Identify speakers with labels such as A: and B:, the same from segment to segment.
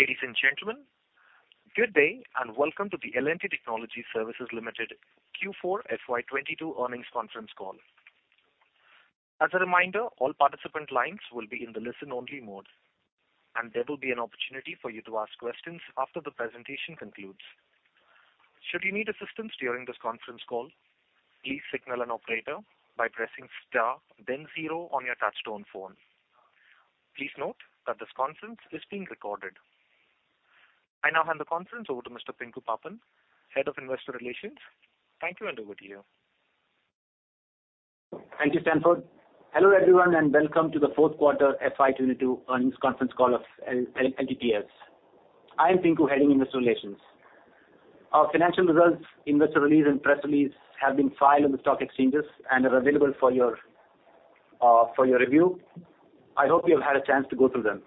A: Ladies and gentlemen, good day and welcome to the L&T Technology Services Limited Q4 FY 2022 earnings conference call. As a reminder, all participant lines will be in the listen-only mode, and there will be an opportunity for you to ask questions after the presentation concludes. Should you need assistance during this conference call, please signal an operator by pressing star then zero on your touchtone phone. Please note that this conference is being recorded. I now hand the conference over to Mr. Pinku Pappan, Head of Investor Relations. Thank you, and over to you.
B: Thank you, Stanford. Hello, everyone, and welcome to the fourth quarter FY 2022 earnings conference call of LTTS. I am Pinku, heading Investor Relations. Our financial results, investor release and press release have been filed in the stock exchanges and are available for your review. I hope you have had a chance to go through them.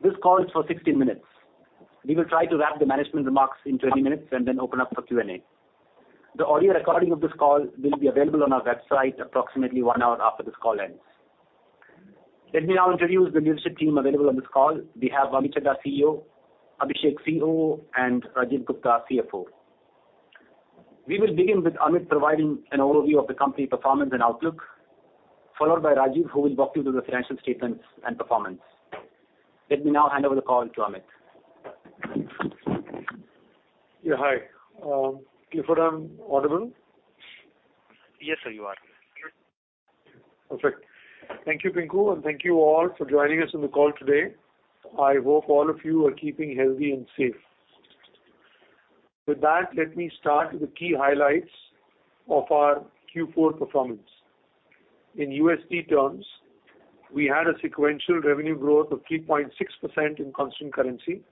B: This call is for 60 minutes. We will try to wrap the management remarks in 20 minutes and then open up for Q&A. The audio recording of this call will be available on our website approximately 1 hour after this call ends. Let me now introduce the leadership team available on this call. We have Amit Chadha, CEO, Abhishek, COO, and Rajeev Gupta, CFO. We will begin with Amit providing an overview of the company performance and outlook, followed by Rajeev who will walk you through the financial statements and performance. Let me now hand over the call to Amit.
C: Yeah, hi. Pinku, I'm audible?
B: Yes, sir, you are.
C: Perfect. Thank you, Pinku, and thank you all for joining us on the call today. I hope all of you are keeping healthy and safe. With that, let me start with the key highlights of our Q4 performance. In USD terms, we had a sequential revenue growth of 3.6% in constant currency,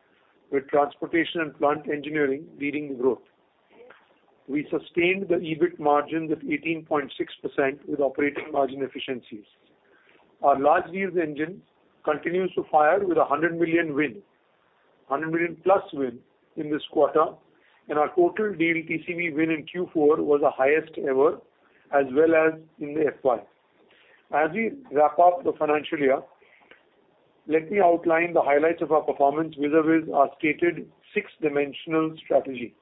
C: with transportation and plant engineering leading the growth. We sustained the EBIT margin with 18.6% with operating margin efficiencies. Our large deals engine continues to fire with a $100 million+ win in this quarter, and our total deal TCV win in Q4 was the highest ever as well as in the FY. As we wrap up the financial year, let me outline the highlights of our performance vis-a-vis our stated six-dimensional strategy.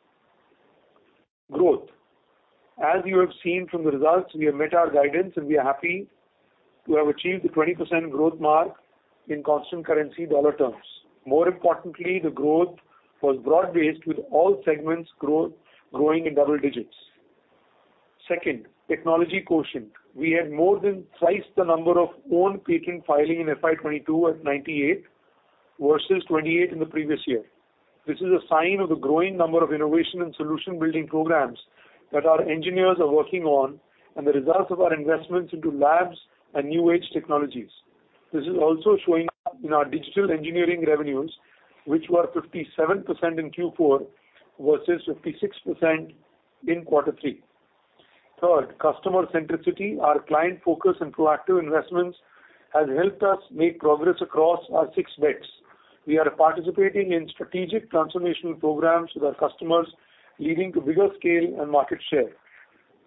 C: Growth. As you have seen from the results, we have met our guidance, and we are happy to have achieved the 20% growth mark in constant currency dollar terms. More importantly, the growth was broad-based with all segments growing in double digits. Second, technology quotient. We had more than twice the number of own patent filing in FY 2022 at 98 versus 28 in the previous year. This is a sign of the growing number of innovation and solution building programs that our engineers are working on and the results of our investments into labs and new age technologies. This is also showing up in our digital engineering revenues, which were 57% in Q4 versus 56% in quarter three. Third, customer centricity. Our client focus and proactive investments has helped us make progress across our six bets. We are participating in strategic transformational programs with our customers, leading to bigger scale and market share.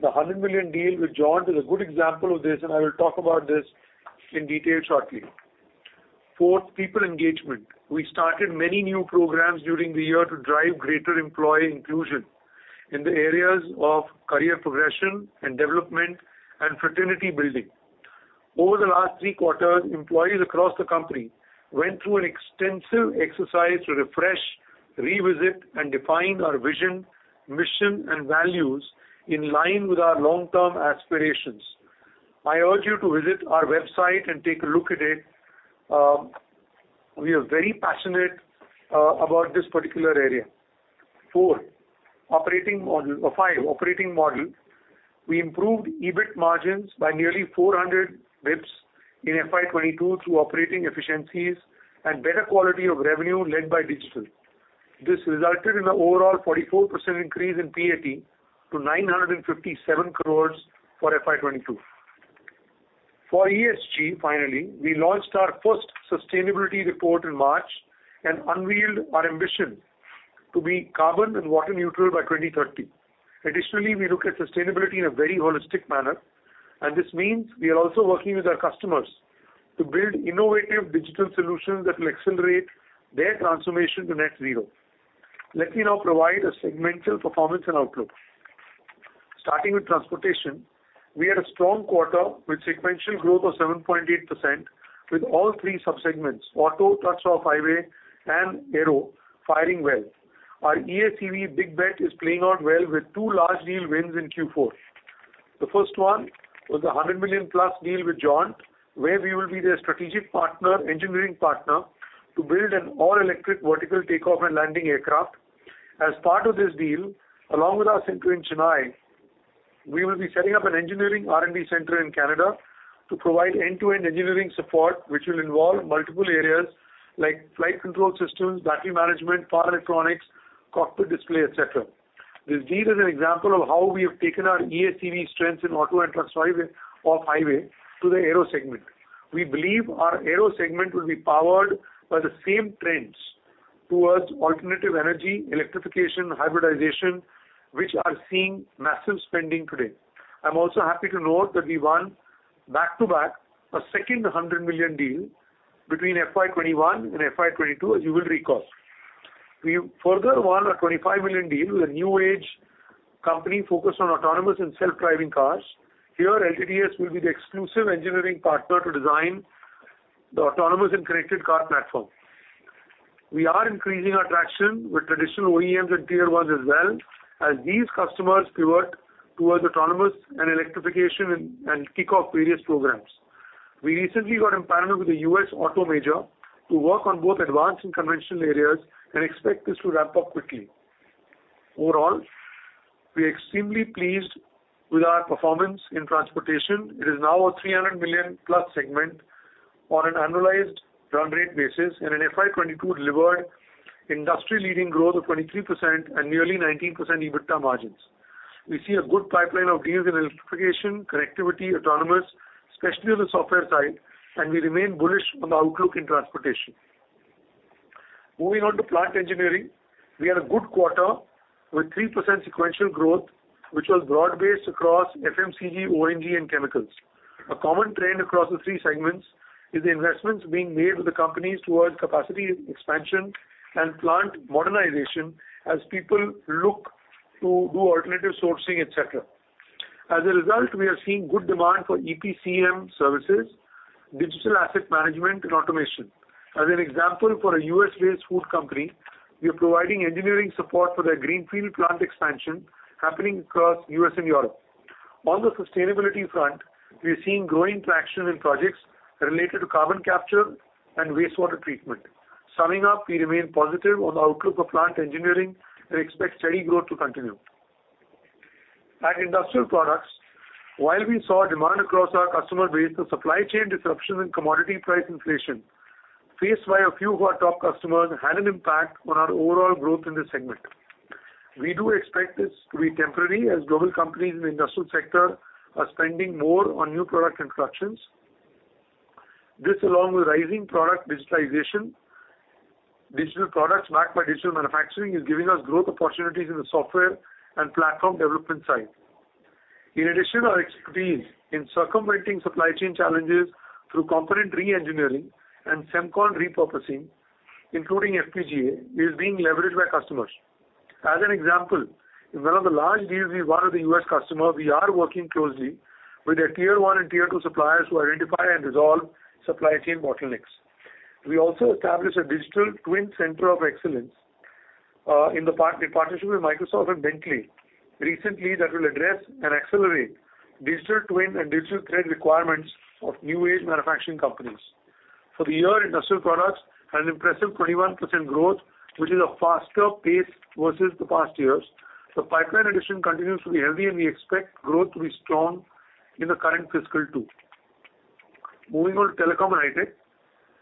C: The $100 million deal with Joby is a good example of this, and I will talk about this in detail shortly. Fourth, people engagement. We started many new programs during the year to drive greater employee inclusion in the areas of career progression and development and fraternity building. Over the last three quarters, employees across the company went through an extensive exercise to refresh, revisit, and define our vision, mission, and values in line with our long-term aspirations. I urge you to visit our website and take a look at it. We are very passionate about this particular area. Fifth, operating model. We improved EBIT margins by nearly 400 basis points in FY 2022 through operating efficiencies and better quality of revenue led by digital. This resulted in an overall 44% increase in PAT to 957 crores for FY 2022. For ESG, finally, we launched our first sustainability report in March and unveiled our ambition to be carbon and water neutral by 2030. Additionally, we look at sustainability in a very holistic manner, and this means we are also working with our customers to build innovative digital solutions that will accelerate their transformation to net zero. Let me now provide a segmental performance and outlook. Starting with transportation, we had a strong quarter with sequential growth of 7.8% with all three subsegments, auto, truck, off-highway, and aero firing well. Our EACV big bet is playing out well with two large deal wins in Q4. The first one was a $100 million+ deal with Joby, where we will be their strategic partner, engineering partner, to build an all-electric vertical takeoff and landing aircraft. As part of this deal, along with our center in Chennai, we will be setting up an engineering R&D center in Canada to provide end-to-end engineering support which will involve multiple areas like flight control systems, battery management, power electronics, cockpit display, etc. This deal is an example of how we have taken our eACV strengths in auto and truck off-highway to the aero segment. We believe our aero segment will be powered by the same trends towards alternative energy, electrification, hybridization, which are seeing massive spending today. I'm also happy to note that we won back-to-back, a second $100 million deal between FY 2021 and FY 2022, as you will recall. We further won an 25 million deal with a new age company focused on autonomous and self-driving cars. Here, LTTS will be the exclusive engineering partner to design the autonomous and connected car platform. We are increasing our traction with traditional OEMs and Tier 1s as well as these customers pivot towards autonomous and electrification and kick off various programs. We recently got empanelment with the U.S. auto major to work on both advanced and conventional areas and expect this to ramp up quickly. Overall, we are extremely pleased with our performance in transportation. It is now an 300 million+ segment on an annualized run rate basis, and in FY 2022 delivered industry-leading growth of 23% and nearly 19% EBITDA margins. We see a good pipeline of deals in electrification, connectivity, autonomous, especially on the software side, and we remain bullish on the outlook in transportation. Moving on to plant engineering. We had a good quarter with 3% sequential growth, which was broad-based across FMCG, O&G and chemicals. A common trend across the three segments is the investments being made with the companies towards capacity expansion and plant modernization as people look to do alternative sourcing, et cetera. As a result, we are seeing good demand for EPCM services, digital asset management and automation. As an example, for a U.S.-based food company, we are providing engineering support for their greenfield plant expansion happening across U.S. and Europe. On the sustainability front, we are seeing growing traction in projects related to carbon capture and wastewater treatment. Summing up, we remain positive on the outlook for plant engineering and expect steady growth to continue. In Industrial Products, while we saw demand across our customer base, the supply chain disruption and commodity price inflation faced by a few of our top customers had an impact on our overall growth in this segment. We do expect this to be temporary as global companies in the industrial sector are spending more on new product introductions. This, along with rising product digitalization, digital products backed by digital manufacturing, is giving us growth opportunities in the software and platform development side. In addition, our expertise in circumventing supply chain challenges through component re-engineering and Semcon repurposing, including FPGA, is being leveraged by customers. As an example, in one of the large deals we won with a U.S. customer, we are working closely with their Tier 1 and Tier 2 suppliers to identify and resolve supply chain bottlenecks. We also established a digital twin center of excellence in partnership with Microsoft and Bentley recently that will address and accelerate digital twin and digital thread requirements of new age manufacturing companies. For the year, industrial products had an impressive 21% growth, which is a faster pace versus the past years. The pipeline addition continues to be heavy, and we expect growth to be strong in the current fiscal too. Moving on to Telecom and Hi-Tech.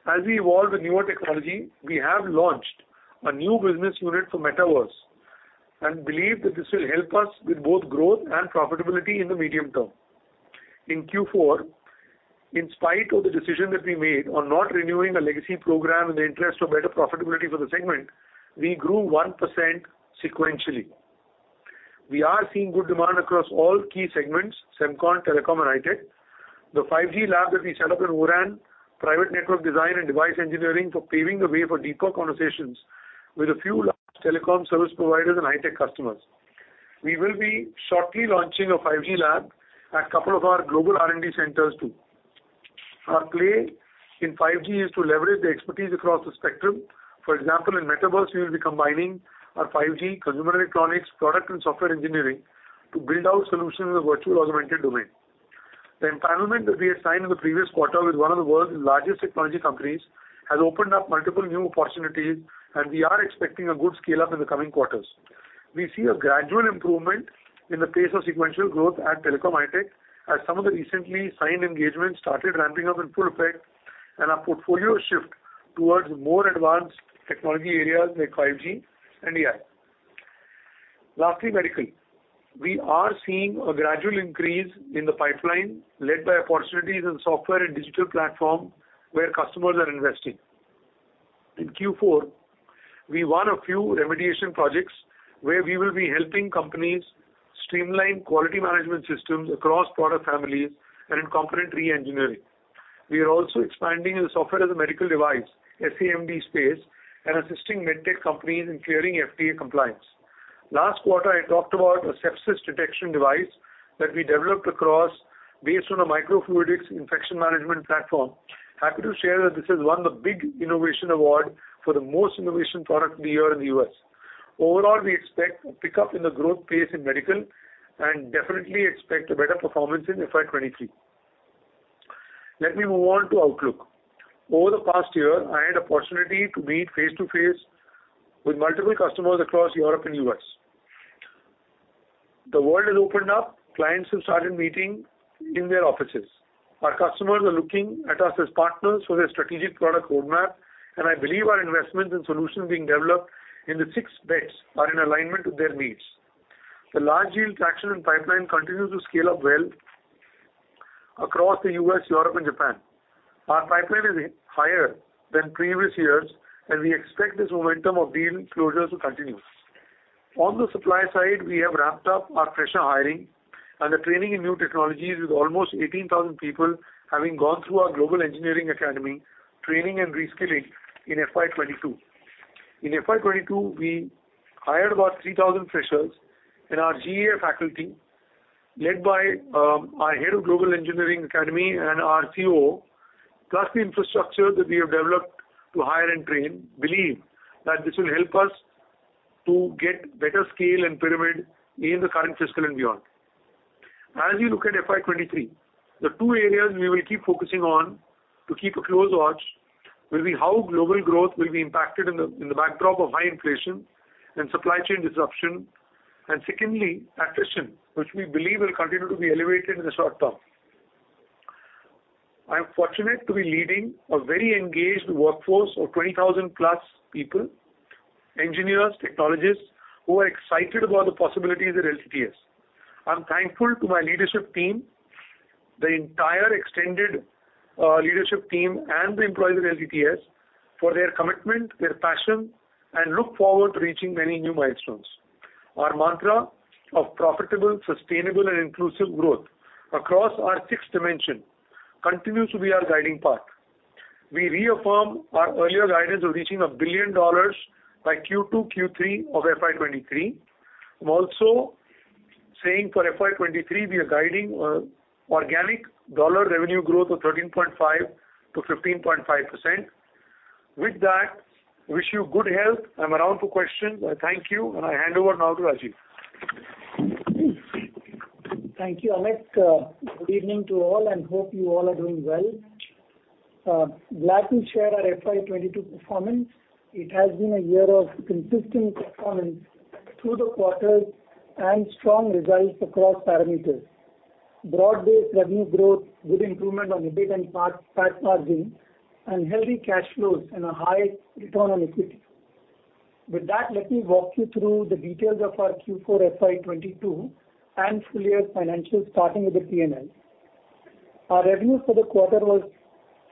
C: As we evolve with newer technology, we have launched a new business unit for metaverse and believe that this will help us with both growth and profitability in the medium term. In Q4, in spite of the decision that we made on not renewing a legacy program in the interest of better profitability for the segment, we grew 1% sequentially. We are seeing good demand across all key segments, Semcon, Telecom and Hi-Tech. The 5G lab that we set up in O-RAN, private network design and device engineering for paving the way for deeper conversations with a few large Telecom service providers and Hi-Tech customers. We will be shortly launching a 5G lab at couple of our global R&D centers too. Our play in 5G is to leverage the expertise across the spectrum. For example, in metaverse, we will be combining our 5G consumer electronics product and software engineering to build out solutions in the virtual augmented domain. The empanelment that we had signed in the previous quarter with one of the world's largest technology companies has opened up multiple new opportunities, and we are expecting a good scale-up in the coming quarters. We see a gradual improvement in the pace of sequential growth at Telecom and Hi-Tech as some of the recently signed engagements started ramping up in full effect and our portfolio shift towards more advanced technology areas like 5G and AI. Lastly, Medical. We are seeing a gradual increase in the pipeline led by opportunities in software and digital platform where customers are investing. In Q4, we won a few remediation projects where we will be helping companies streamline quality management systems across product families and in component re-engineering. We are also expanding in the software as a medical device, SaMD space, and assisting med tech companies in clearing FDA compliance. Last quarter, I talked about a sepsis detection device that we developed based on a microfluidics infection management platform. Happy to share that this has won the Big Innovation Award for the most innovative product of the year in the U.S. Overall, we expect a pickup in the growth pace in medical and definitely expect a better performance in FY 2023. Let me move on to outlook. Over the past year, I had opportunity to meet face-to-face with multiple customers across Europe and the U.S. The world has opened up. Clients have started meeting in their offices. Our customers are looking at us as partners for their strategic product roadmap, and I believe our investments and solutions being developed in the six bets are in alignment with their needs. The large deal traction and pipeline continues to scale up well across the U.S., Europe and Japan. Our pipeline is higher than previous years, and we expect this momentum of deal closures to continue. On the supply side, we have wrapped up our fresher hiring and the training in new technologies with almost 18,000 people having gone through our Global Engineering Academy training and reskilling in FY 2022. In FY 2022, we hired about 3,000 freshers in our GEA faculty led by our head of Global Engineering Academy and our COO, plus the infrastructure that we have developed to hire and train. Believe that this will help us to get better scale and pyramid in the current fiscal and beyond. As we look at FY 2023, the two areas we will keep focusing on to keep a close watch will be how global growth will be impacted in the backdrop of high inflation and supply chain disruption, and secondly, attrition, which we believe will continue to be elevated in the short term. I am fortunate to be leading a very engaged workforce of 20,000+ people, engineers, technologists, who are excited about the possibilities at LTTS. I'm thankful to my leadership team, the entire extended leadership team and the employees at LTTS for their commitment, their passion, and look forward to reaching many new milestones. Our mantra of profitable, sustainable and inclusive growth across our sixth dimension continues to be our guiding path. We reaffirm our earlier guidance of reaching $1 billion by Q2, Q3 of FY 2023. I'm also saying for FY 2023 we are guiding organic dollar revenue growth of 13.5%-15.5%. With that, I wish you good health. I'm around for questions. I thank you and I hand over now to Rajeev.
D: Thank you, Amit. Good evening to all and hope you all are doing well. Glad to share our FY 2022 performance. It has been a year of consistent performance through the quarters and strong results across parameters. Broad-based revenue growth, good improvement on EBIT and PAT margin, and healthy cash flows and a high return on equity. With that, let me walk you through the details of our Q4 FY 2022 and full year financials starting with the P&L. Our revenue for the quarter was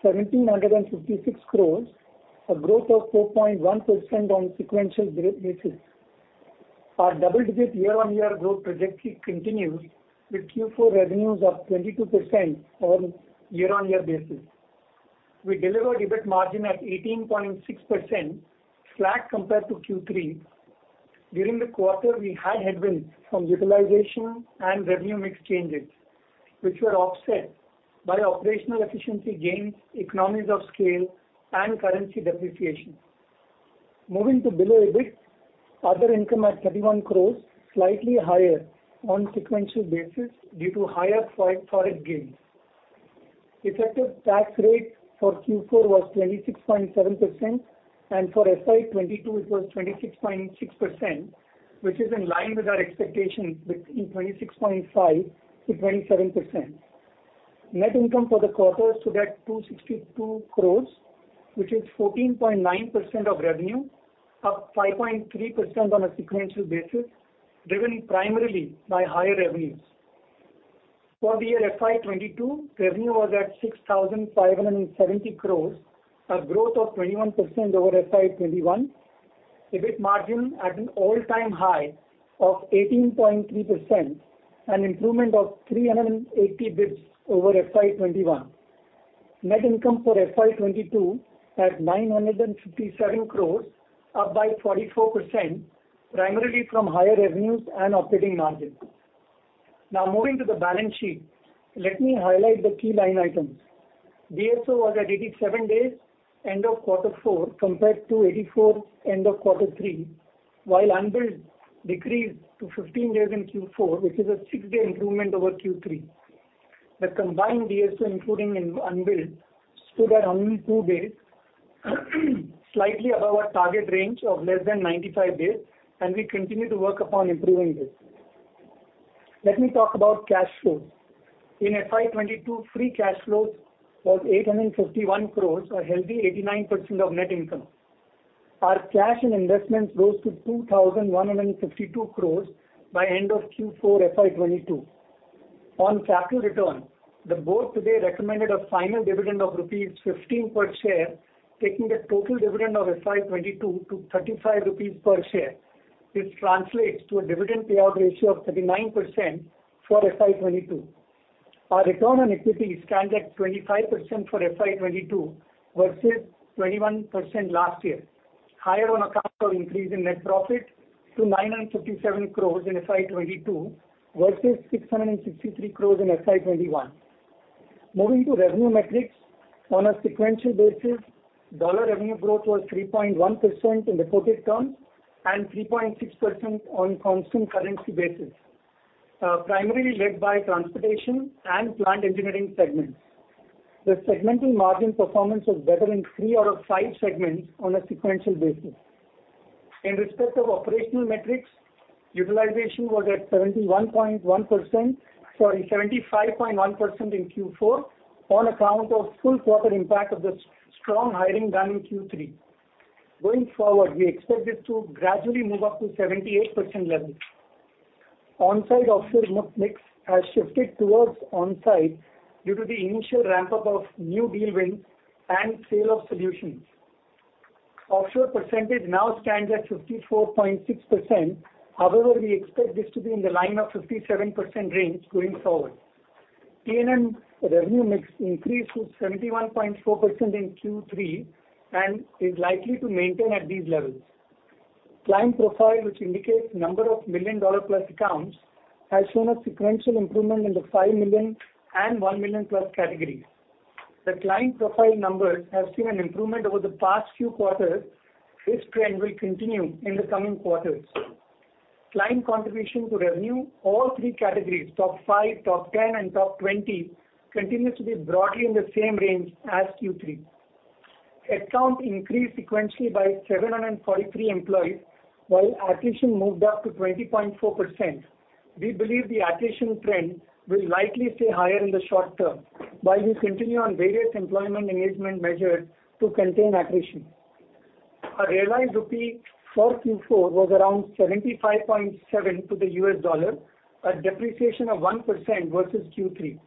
D: 1,766 crore, a growth of 4.1% on a sequential basis. Our double-digit year-over-year growth trajectory continues with Q4 revenues of 22% on year-over-year basis. We deliver EBIT margin at 18.6%, flat compared to Q3. During the quarter, we had headwinds from utilization and revenue mix changes, which were offset by operational efficiency gains, economies of scale and currency depreciation. Moving to below EBIT, other income at 31 crore, slightly higher on sequential basis due to higher forex gains. Effective tax rate for Q4 was 26.7%, and for FY 2022 it was 26.6%, which is in line with our expectations between 26.5%-27%. Net income for the quarter stood at 262 crore, which is 14.9% of revenue, up 5.3% on a sequential basis, driven primarily by higher revenues. For the year FY 2022, revenue was at 6,570 crore, a growth of 21% over FY 2021. EBIT margin at an all-time high of 18.3%, an improvement of 380 basis points over FY 2021. Net income for FY 2022 at 957 crores, up by 44% primarily from higher revenues and operating margin. Now moving to the balance sheet, let me highlight the key line items. DSO was at 87 days end of quarter four compared to 84 end of quarter three, while unbilled decreased to 15 days in Q4, which is a six-day improvement over Q3. The combined DSO, including unbilled, stood at 92 days, slightly above our target range of less than 95 days, and we continue to work upon improving this. Let me talk about cash flows. In FY 2022, free cash flows was 851 crores, a healthy 89% of net income. Our cash in investments rose to 2,152 crore by end of Q4 FY 2022. On capital return, the board today recommended a final dividend of rupees 15 per share, taking the total dividend of FY 2022 to 35 rupees per share. This translates to a dividend payout ratio of 39% for FY 2022. Our return on equity stands at 25% for FY 2022 versus 21% last year, higher on account of increase in net profit to 957 crore in FY 2022 versus 663 crore in FY 2021. Moving to revenue metrics. On a sequential basis, dollar revenue growth was 3.1% in reported terms and 3.6% on constant currency basis, primarily led by transportation and plant engineering segments. The segmental margin performance was better in three out of five segments on a sequential basis. In respect of operational metrics, utilization was at 75.1% in Q4 on account of full quarter impact of the strong hiring done in Q3. Going forward, we expect this to gradually move up to 78% levels. On-site offshore mix has shifted towards on-site due to the initial ramp up of new deal wins and sale of solutions. Offshore percentage now stands at 54.6%. However, we expect this to be in the 57% range going forward. T&M revenue mix increased to 71.4% in Q3 and is likely to maintain at these levels. Client profile, which indicates number of $1 million plus accounts, has shown a sequential improvement in the $5 million and $1 million+ categories. The client profile numbers have seen an improvement over the past few quarters. This trend will continue in the coming quarters. Client contribution to revenue, all three categories, top five, top 10, and top 20 continues to be broadly in the same range as Q3. Headcount increased sequentially by 743 employees, while attrition moved up to 20.4%. We believe the attrition trend will likely stay higher in the short term while we continue on various employment engagement measures to contain attrition. Our realized rupee for Q4 was around 75.7 to the U.S. dollar, a depreciation of 1% versus Q3.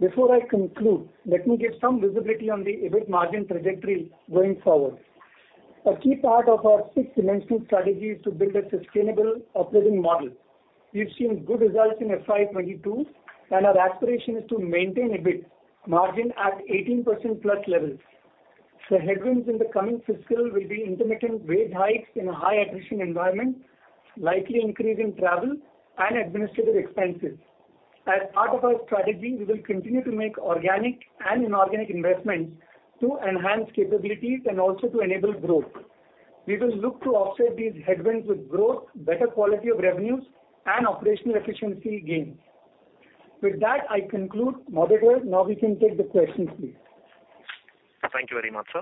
D: Before I conclude, let me give some visibility on the EBIT margin trajectory going forward. A key part of our six-dimensional strategy is to build a sustainable operating model. We've seen good results in FY 2022, and our aspiration is to maintain EBIT margin at 18%+ levels. The headwinds in the coming fiscal will be intermittent wage hikes in a high attrition environment, likely increase in travel and administrative expenses. As part of our strategy, we will continue to make organic and inorganic investments to enhance capabilities and also to enable growth. We will look to offset these headwinds with growth, better quality of revenues, and operational efficiency gains. With that, I conclude. Moderator, now we can take the questions, please.
A: Thank you very much, sir.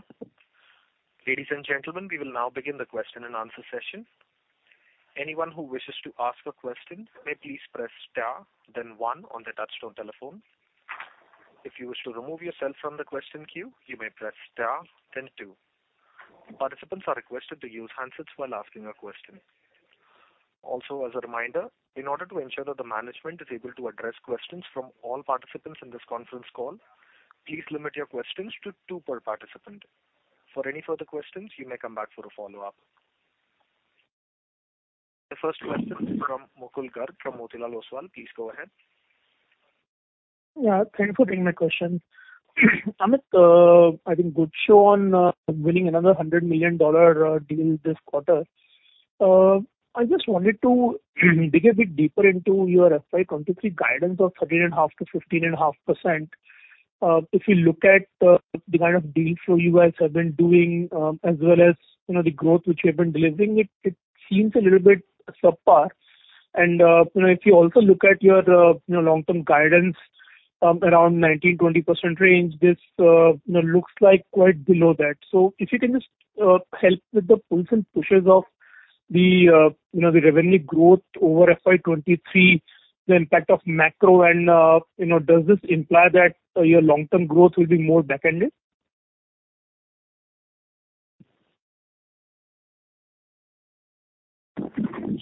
A: Ladies and gentlemen, we will now begin the question and answer session. Anyone who wishes to ask a question may please press star then one on their touchtone telephone. If you wish to remove yourself from the question queue, you may press star then two. Participants are requested to use handsets while asking a question. Also, as a reminder, in order to ensure that the management is able to address questions from all participants in this conference call, please limit your questions to two per participant. For any further questions, you may come back for a follow-up. The first question from Mukul Garg from Motilal Oswal. Please go ahead.
E: Yeah, thank you for taking my question. Amit, I think good show on winning another $100 million deal this quarter. I just wanted to dig a bit deeper into your FY 2023 guidance of 13.5%-15.5%. If you look at the kind of deal flow you guys have been doing, as well as, you know, the growth which you have been delivering, it seems a little bit subpar. You know, if you also look at your long-term guidance around 19%-20% range, this you know looks like quite below that. If you can just help with the pulls and pushes of the, you know, the revenue growth over FY 2023, the impact of macro and you know, does this imply that your long-term growth will be more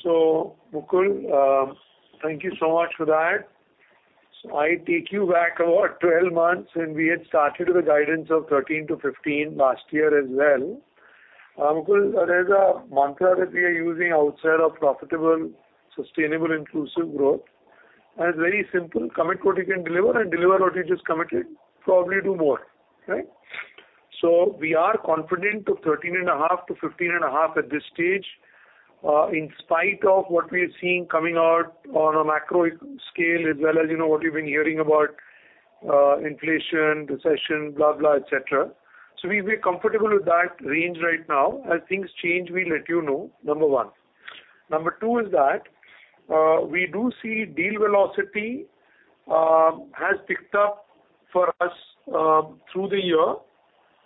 E: back-ended?
C: Mukul, thank you so much for that. I take you back about 12 months when we had started with a guidance of 13%-15% last year as well. Mukul, there's a mantra that we are using outside of profitable, sustainable, inclusive growth, and it's very simple. Commit what you can deliver and deliver what you just committed, probably do more. Right? We are confident of 13.5%-15.5% at this stage, in spite of what we are seeing coming out on a macro scale as well as, you know, what you've been hearing about, inflation, recession, blah, et cetera. We'd be comfortable with that range right now. As things change, we'll let you know, number one. Number two is that we do see deal velocity has picked up for us through the year.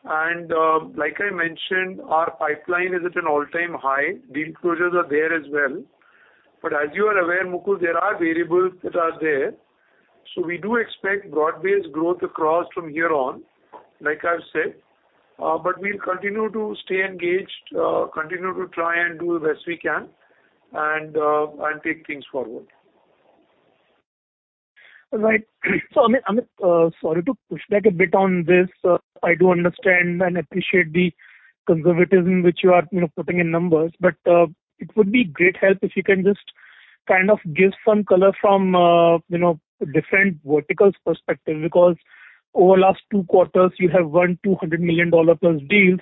C: Like I mentioned, our pipeline is at an all-time high. Deal closures are there as well. As you are aware, Mukul, there are variables that are there. We do expect broad-based growth across from here on, like I've said. We'll continue to stay engaged, continue to try and do the best we can and take things forward.
E: Right. Amit, sorry to push back a bit on this. I do understand and appreciate the conservatism which you are, you know, putting in numbers. It would be great help if you can just kind of give some color from, you know, different verticals perspective because over last two quarters you have won $200 million+ deals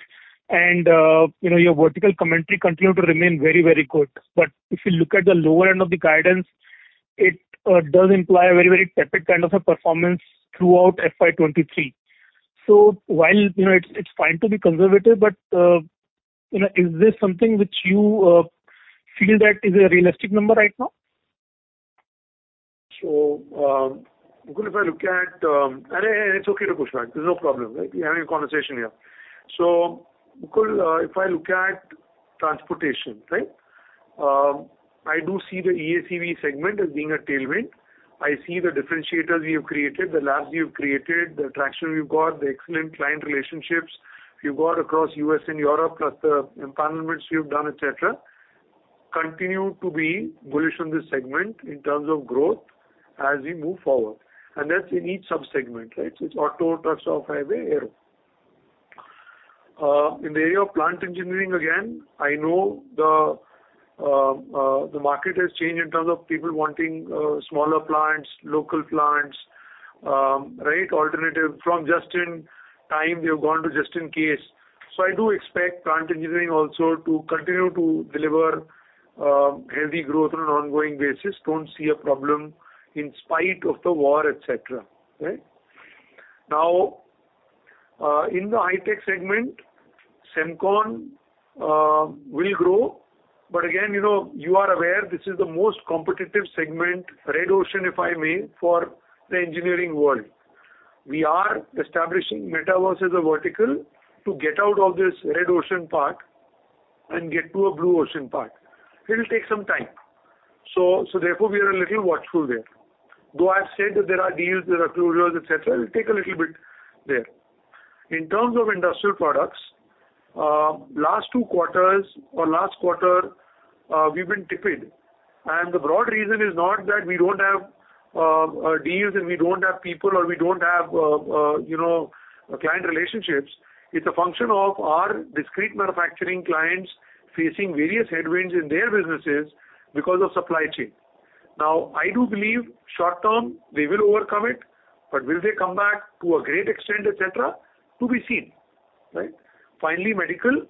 E: and, you know, your vertical commentary continue to remain very, very good. If you look at the lower end of the guidance, it does imply a very, very tepid kind of a performance throughout FY 2023. While, you know, it's fine to be conservative, but, you know, is this something which you feel that is a realistic number right now?
C: Mukul, if I look at... it's okay to push back. There's no problem. Right? We are having a conversation here. Mukul, if I look at transportation, right? I do see the EACV segment as being a tailwind. I see the differentiators we have created, the labs we have created, the traction we've got, the excellent client relationships. If you go out across U.S. and Europe, plus the empanelments you've done, et cetera, continue to be bullish on this segment in terms of growth as we move forward. That's in each sub-segment, right? It's auto, trucks or highways, air. In the area of plant engineering, again, I know the market has changed in terms of people wanting smaller plants, local plants, right, alternative. From just-in-time, they have gone to just-in-case. I do expect plant engineering also to continue to deliver heavy growth on an ongoing basis. Don't see a problem in spite of the war, et cetera, right? Now, in the Hi-Tech segment, Semcon will grow. But again, you know, you are aware this is the most competitive segment, red ocean, if I may, for the engineering world. We are establishing metaverse as a vertical to get out of this red ocean part and get to a blue ocean part. It'll take some time. Therefore, we are a little watchful there. Though I've said that there are deals, there are closures, et cetera, it'll take a little bit there. In terms of industrial products, last two quarters or last quarter, we've been tepid. The broad reason is not that we don't have deals and we don't have people or we don't have you know client relationships. It's a function of our discrete manufacturing clients facing various headwinds in their businesses because of supply chain. Now, I do believe short-term they will overcome it, but will they come back to a great extent, et cetera? To be seen, right? Finally, Medical.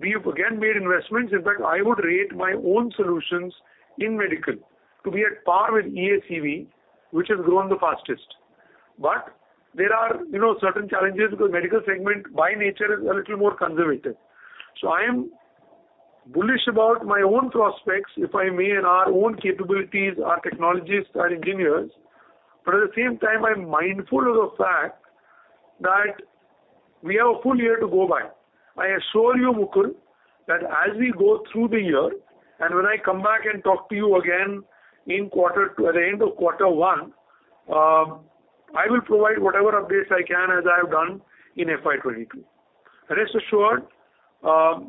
C: We've again made investments. In fact, I would rate my own solutions in Medical to be at par with EACV, which has grown the fastest. But there are you know certain challenges because Medical segment by nature is a little more conservative. I am bullish about my own prospects, if I may, and our own capabilities, our technologies, our engineers. At the same time, I'm mindful of the fact that we have a full year to go by. I assure you, Mukul, that as we go through the year, and when I come back and talk to you again at the end of quarter one, I will provide whatever updates I can as I have done in FY 2022. Rest assured,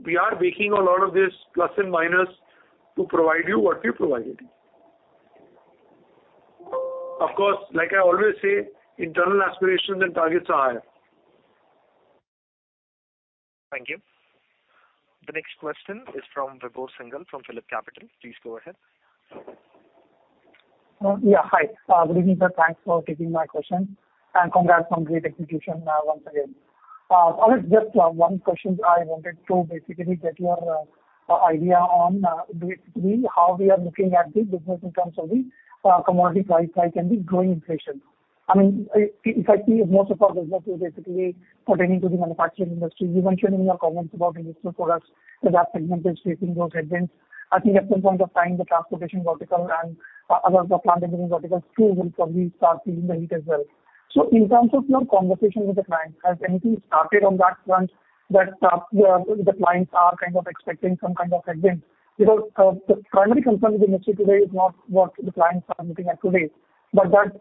C: we are baking a lot of this plus and minus to provide you what we've provided. Of course, like I always say, internal aspirations and targets are higher.
A: Thank you. The next question is from Vibhor Singhal from PhillipCapital. Please go ahead.
F: Yeah, hi. Good evening, sir. Thanks for taking my question, and congrats on great execution, once again. I have just one question I wanted to basically get your idea on, basically how we are looking at the business in terms of the commodity price hike and the growing inflation. I mean, if I see most of our business is basically pertaining to the manufacturing industry. You mentioned in your comments about industrial products that that segment is facing those headwinds. I think at some point of time, the transportation vertical and other plant engineering verticals too will probably start feeling the heat as well. In terms of your conversation with the client, has anything started on that front that the clients are kind of expecting some kind of headwinds? Because the primary concern in the industry today is not what the clients are looking at today, but that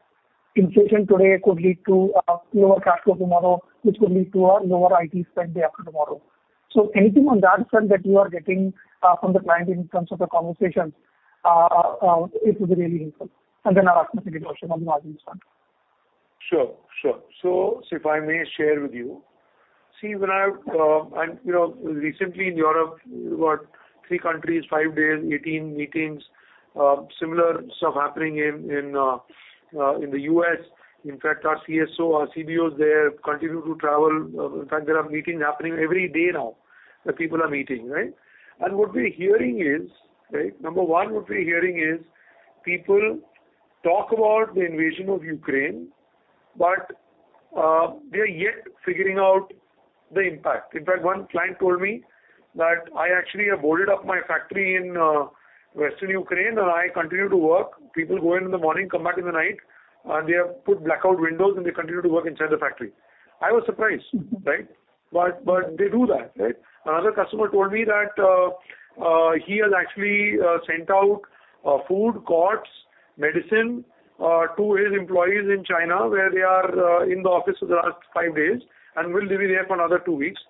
F: inflation today could lead to lower cash flow tomorrow, which could lead to a lower IT spend day after tomorrow. Anything on that front that you are getting from the client in terms of the conversations. It would be really helpful. Then I'll ask my second question on the margins front.
C: Sure. If I may share with you. See, when I was recently in Europe, we've got three countries, five days, 18 meetings. Similar stuff happening in the U.S. In fact, our CSO, our CBOs there continue to travel. In fact, there are meetings happening every day now that people are meeting, right? What we're hearing is, right, number one, what we're hearing is people talk about the invasion of Ukraine, but they are yet figuring out the impact. In fact, one client told me that I actually have boarded up my factory in western Ukraine and I continue to work. People go in the morning, come back in the night, and they have put blackout windows, and they continue to work inside the factory. I was surprised, right? But they do that, right? Another customer told me that he has actually sent out food, cots, medicine to his employees in China, where they are in the office for the last five days and will be there for another two weeks.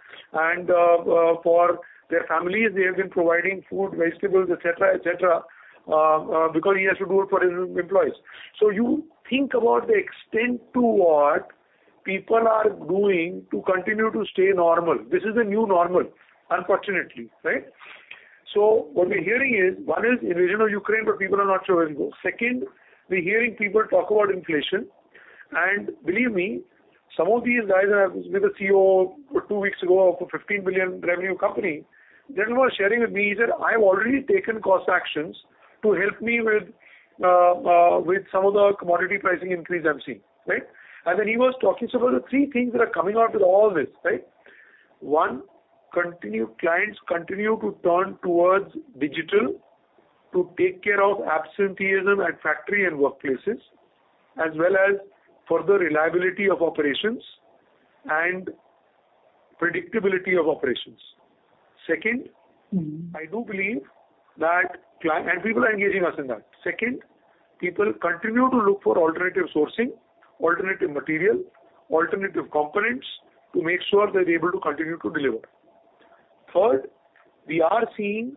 C: For their families, they have been providing food, vegetables, et cetera, et cetera, because he has to do it for his employees. You think about the extent to what people are doing to continue to stay normal. This is a new normal, unfortunately, right? What we're hearing is, one is invasion of Ukraine, but people are not sure where to go. Second, we're hearing people talk about inflation. Believe me, some of these guys, I've met a CEO two weeks ago of a $15 billion revenue company. The gentleman was sharing with me that I've already taken cost actions to help me with some of the commodity pricing increase I'm seeing, right? Then he was talking. Those are three things that are coming out with all this, right? One, clients continue to turn towards digital to take care of absenteeism at factory and workplaces, as well as further reliability of operations and predictability of operations. Second, people continue to look for alternative sourcing, alternative material, alternative components to make sure they're able to continue to deliver. Third, we are seeing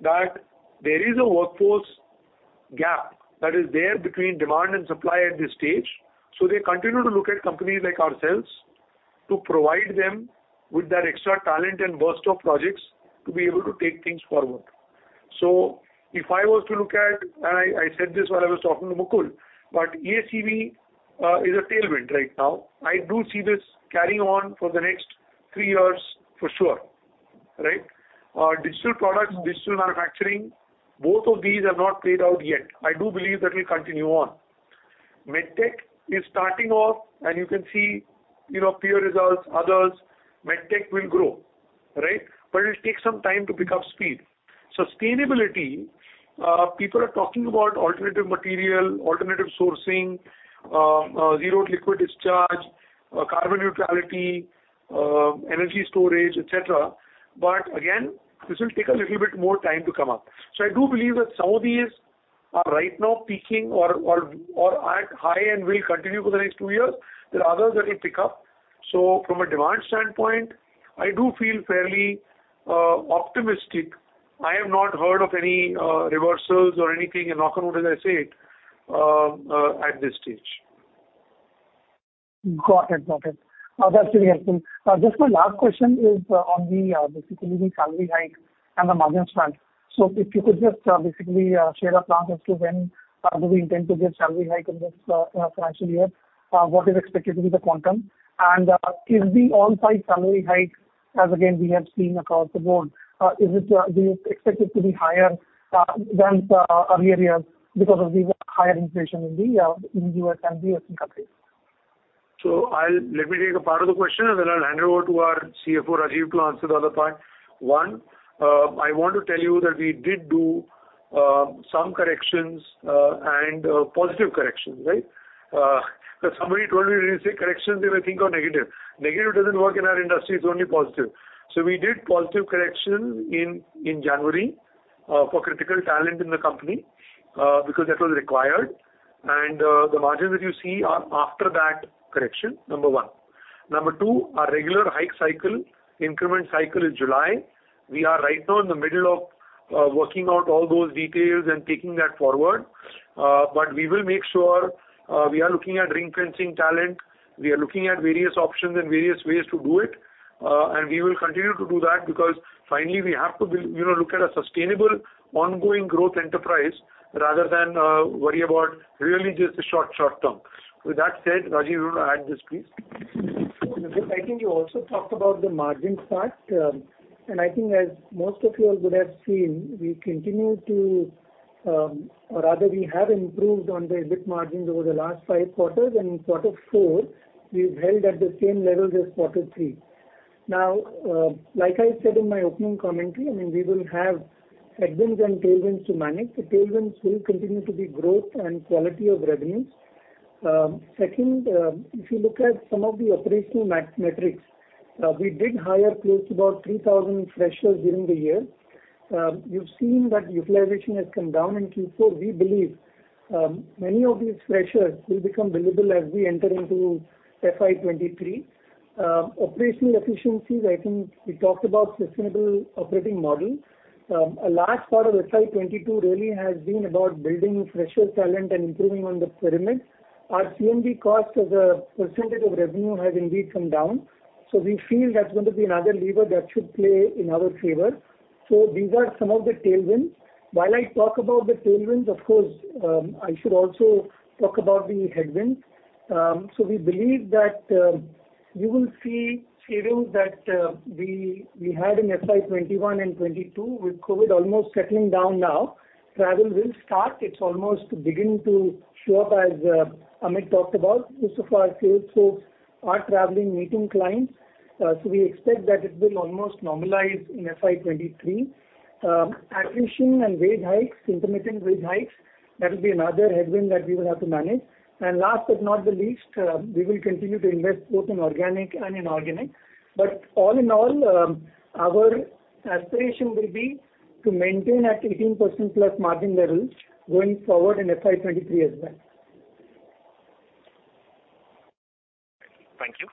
C: that there is a workforce gap that is there between demand and supply at this stage, so they continue to look at companies like ourselves to provide them with that extra talent and burst of projects to be able to take things forward. If I was to look at, and I said this when I was talking to Mukul, but EACV is a tailwind right now. I do see this carrying on for the next three years for sure, right? Digital products, digital manufacturing, both of these have not played out yet. I do believe that will continue on. Med tech is starting off, and you can see, you know, peer results, others. Med tech will grow, right? It'll take some time to pick up speed. Sustainability, people are talking about alternative material, alternative sourcing, zero liquid discharge, carbon neutrality, energy storage, et cetera. Again, this will take a little bit more time to come up. I do believe that some of these are right now peaking or are at high and will continue for the next two years. There are others that will pick up. From a demand standpoint, I do feel fairly optimistic. I have not heard of any reversals or anything in knock on wood as I say it, at this stage.
F: Got it. That's really helpful. Just my last question is on the basically the salary hike and the margins front. If you could just basically share a plan as to when do we intend to give salary hike in this financial year? What is expected to be the quantum? And is the on-site salary hike as again we have seen across the board is it do you expect it to be higher than earlier years because of the higher inflation in the in U.S. and the Asian countries?
C: I take a part of the question, and then I'll hand over to our CFO, Rajeev, to answer the other part. One, I want to tell you that we did do some corrections and positive corrections, right? Somebody told me when you say corrections, they will think of negative. Negative doesn't work in our industry. It's only positive. We did positive corrections in January for critical talent in the company because that was required. The margins that you see are after that correction, number one. Number two, our regular hike cycle, increment cycle is July. We are right now in the middle of working out all those details and taking that forward. We will make sure we are looking at ring-fencing talent. We are looking at various options and various ways to do it. We will continue to do that because finally we have to build, you know, look at a sustainable ongoing growth enterprise rather than worry about really just the short term. With that said, Rajeev, you want to add this, please.
D: I think you also talked about the margin part. I think as most of you all would have seen, we continue to, or rather we have improved on the EBIT margins over the last five quarters, and in quarter four we've held at the same level as quarter three. Now, like I said in my opening commentary, I mean, we will have headwinds and tailwinds to manage. The tailwinds will continue to be growth and quality of revenues. Second, if you look at some of the operational metrics, we did hire close to about 3,000 freshers during the year. You've seen that utilization has come down in Q4. We believe, many of these freshers will become available as we enter into FY 2023. Operational efficiencies, I think we talked about sustainable operating model. A large part of FY 2022 really has been about building fresher talent and improving on the pyramid. Our C&B cost as a percentage of revenue has indeed come down, so we feel that's going to be another lever that should play in our favor. These are some of the tailwinds. While I talk about the tailwinds, of course, I should also talk about the headwinds. We believe that you will see feelings that we had in FY 2021 and 2022 with COVID almost settling down now. Travel will start. It's almost beginning to show up, as Amit talked about. Most of our sales force are traveling, meeting clients. We expect that it will almost normalize in FY 2023. Attrition and wage hikes, intermittent wage hikes, that will be another headwind that we will have to manage. Last but not the least, we will continue to invest both in organic and inorganic. All in all, our aspiration will be to maintain 18%+ margin levels going forward in FY 2023 as well.
A: Thank you.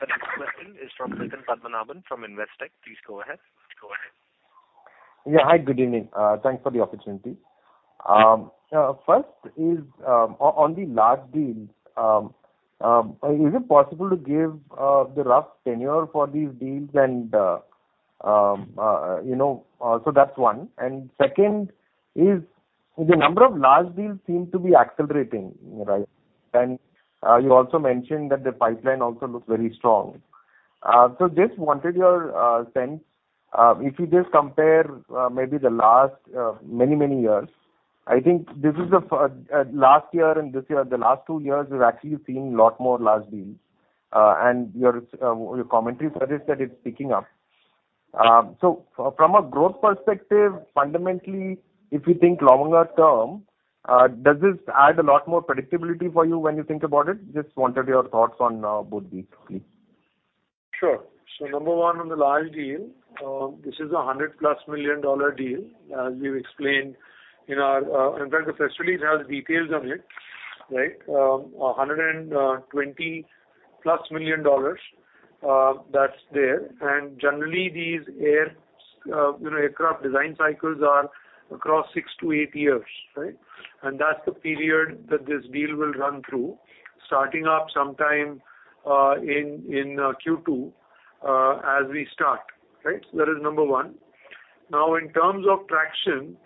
A: The next question is from Nitin Padmanabhan from Investec. Please go ahead. Go ahead.
G: Yeah. Hi. Good evening. Thanks for the opportunity. First is, on the large deals, is it possible to give the rough tenure for these deals? You know, so that's one. Second is the number of large deals seem to be accelerating, right? You also mentioned that the pipeline also looks very strong. So just wanted your sense, if you just compare, maybe the last many years. I think this is the last year and this year, the last two years, we're actually seeing a lot more large deals. Your commentary suggests that it's picking up. So from a growth perspective, fundamentally, if you think longer term, does this add a lot more predictability for you when you think about it? Just wanted your thoughts on both these, please.
C: Sure. Number one, on the large deal, this is a $100 million+ deal. As we've explained in our, in fact, the press release has details of it, right? $120 million+, that's there. Generally, these are, you know, aircraft design cycles are across six to eight years, right? That's the period that this deal will run through, starting up sometime in Q2 as we start. Right? That is number one. Now, in terms of traction,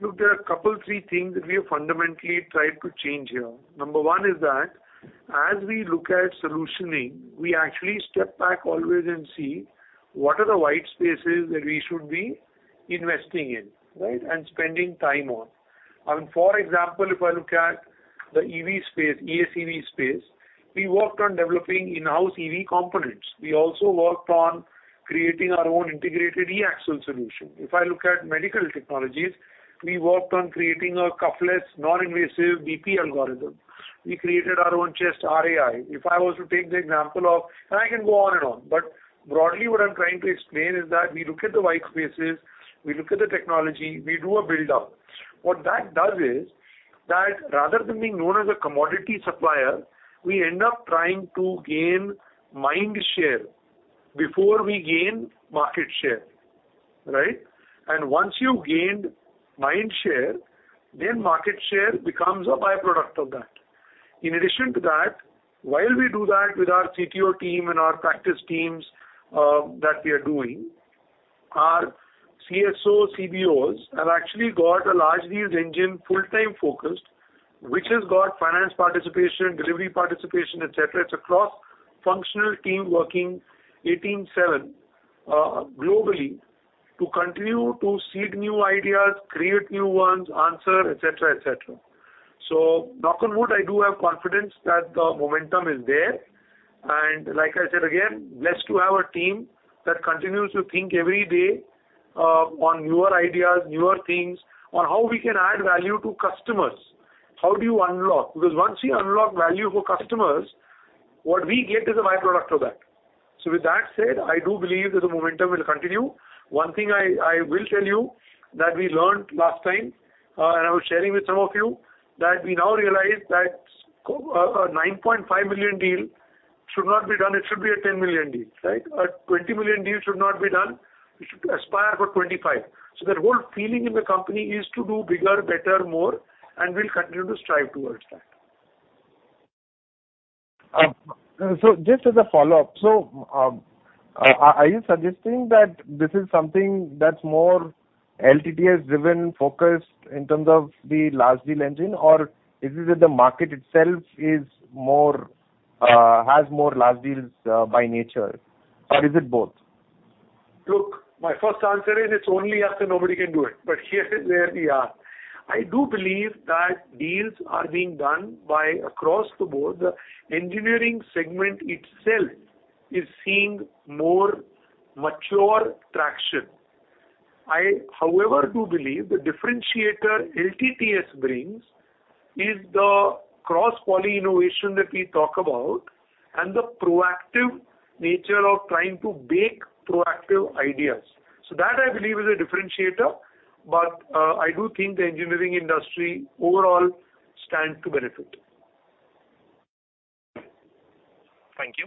C: look, there are a couple, three things that we have fundamentally tried to change here. Number one is that as we look at solutioning, we actually step back always and see what are the white spaces that we should be investing in, right, and spending time on. For example, if I look at the EV space, EACV space, we worked on developing in-house EV components. We also worked on creating our own integrated e-axle solution. If I look at medical technologies, we worked on creating a cuff-less, non-invasive BP algorithm. We created our own chest X-ray AI. If I was to take the example of and I can go on and on, but broadly what I'm trying to explain is that we look at the white spaces, we look at the technology, we do a build-up. What that does is that rather than being known as a commodity supplier, we end up trying to gain mind share before we gain market share, right? Once you've gained mind share, then market share becomes a by-product of that. In addition to that, while we do that with our CTO team and our practice teams that we are doing, our CSO, CBOs have actually got a large deals engine full-time focused, which has got finance participation, delivery participation, et cetera. It's a cross-functional team working 24/7 globally to continue to seed new ideas, create new ones, answer, et cetera, et cetera. Knock on wood, I do have confidence that the momentum is there. Like I said, again, blessed to have a team that continues to think every day on newer ideas, newer things, on how we can add value to customers. How do you unlock? Because once you unlock value for customers, what we get is a by-product of that. With that said, I do believe that the momentum will continue. One thing I will tell you that we learned last time, and I was sharing with some of you, that we now realize that a 9.5 million deal should not be done. It should be a 10 million deal, right? A 20 million deal should not be done. You should aspire for 25 million. The whole feeling in the company is to do bigger, better, more, and we'll continue to strive towards that.
G: Just as a follow-up. Are you suggesting that this is something that's more LTTS driven focus in terms of the large deal engine, or is it that the market itself is more has more large deals by nature? Is it both?
C: Look, my first answer is it's only us and nobody can do it. Here is where we are. I do believe that deals are being done across the board. The engineering segment itself is seeing more mature traction. I, however, do believe the differentiator LTTS brings is the cross-pollination innovation that we talk about and the proactive nature of trying to bake in proactive ideas. That, I believe, is a differentiator. I do think the engineering industry overall stands to benefit.
A: Thank you.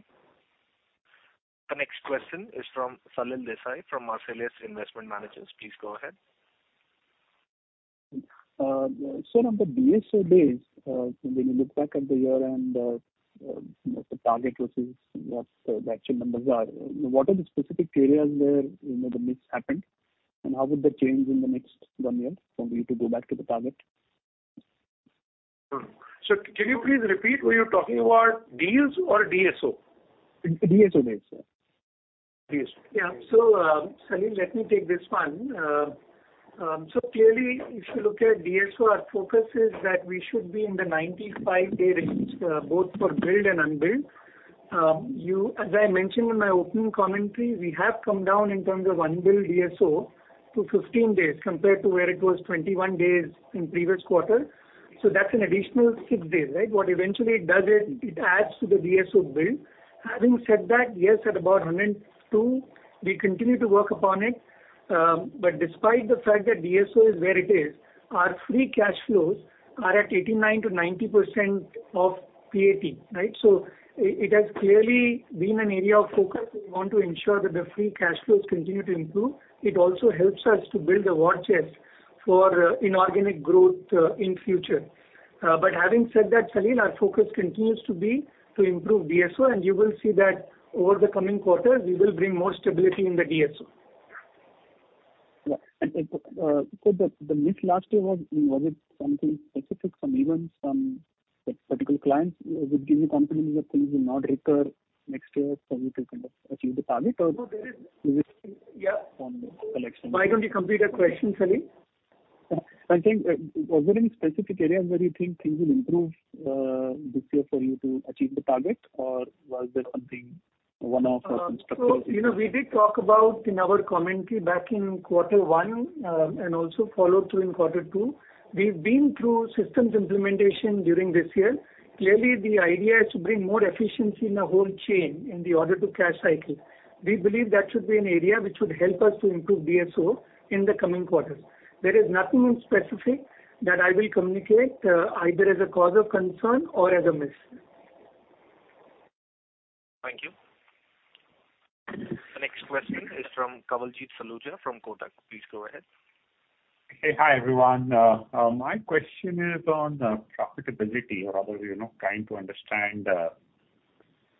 A: The next question is from Salil Desai from Marcellus Investment Managers. Please go ahead.
H: On the DSO days, when you look back at the year and the target versus what the actual numbers are, what are the specific areas where, you know, the miss happened, and how would that change in the next one year for you to go back to the target?
D: Can you please repeat? Were you talking about deals or DSO?
H: DSO days, sir. DSO.
D: Yeah. Salil, let me take this one. Clearly, if you look at DSO, our focus is that we should be in the 95-day range, both for billed and unbilled. You, as I mentioned in my opening commentary, we have come down in terms of unbilled DSO to 15 days compared to where it was 21 days in previous quarter. That's an additional six days, right? What eventually it does is it adds to the DSO bill. Having said that, yes, at about 102, we continue to work upon it. Despite the fact that DSO is where it is, our free cash flows are at 89%-90% of PAT, right? It has clearly been an area of focus. We want to ensure that the free cash flows continue to improve. It also helps us to build a war chest for inorganic growth, in future. Having said that, Salil, our focus continues to be to improve DSO, and you will see that over the coming quarters, we will bring more stability in the DSO.
H: Yeah. The miss last year was it something specific from even some, like, particular clients would give you confidence that things will not recur next year for you to kind of achieve the target or-
D: No, there is.
H: -you're waiting-
D: Yeah.
H: on collection?
D: Why don't you complete the question, Salil?
H: I think, was there any specific areas where you think things will improve this year for you to achieve the target, or was there something?
D: We did talk about in our commentary back in quarter one, and also follow through in quarter two. We've been through systems implementation during this year. Clearly, the idea is to bring more efficiency in the whole chain in the order to cash cycle. We believe that should be an area which would help us to improve DSO in the coming quarters. There is nothing specific that I will communicate, either as a cause of concern or as a miss.
A: Thank you. The next question is from Kawaljeet Saluja from Kotak. Please go ahead.
I: Hey. Hi, everyone. My question is on profitability, rather, you know, trying to understand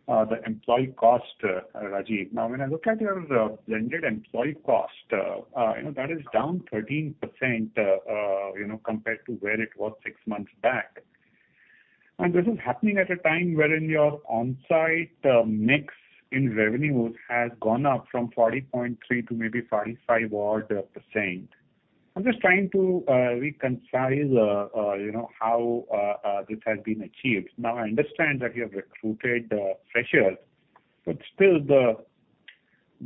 I: the employee cost, Rajeev. Now, when I look at your blended employee cost, you know, that is down 13%, you know, compared to where it was six months back. This is happening at a time wherein your on-site mix in revenues has gone up from 40.3% to maybe 45% odd. I'm just trying to reconcile, you know, how this has been achieved. Now, I understand that you have recruited freshers, but still the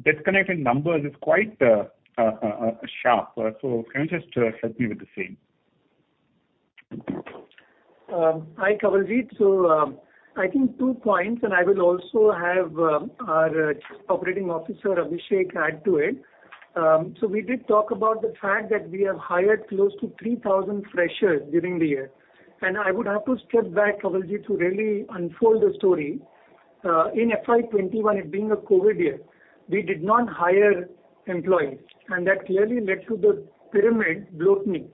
I: disconnect in numbers is quite sharp. Can you just help me with the same?
D: Hi, Kawaljeet. I think two points, and I will also have our Chief Operating Officer, Abhishek, add to it. We did talk about the fact that we have hired close to 3,000 freshers during the year. I would have to step back, Kawaljeet, to really unfold the story. In FY 2021, it being a COVID year, we did not hire employees, and that clearly led to the pyramid bloating.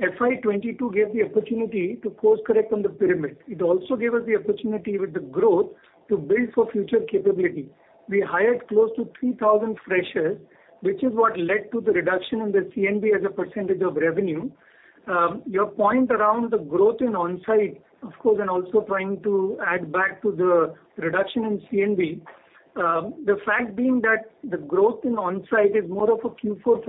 D: FY 2022 gave the opportunity to course-correct on the pyramid. It also gave us the opportunity with the growth to build for future capability. We hired close to 3,000 freshers, which is what led to the reduction in the C&B as a percentage of revenue. Your point around the growth in on-site, of course, and also trying to add back to the reduction in C&B, the fact being that the growth in on-site is more of a Q4